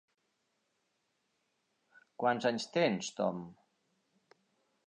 Quants anys tens, Tom?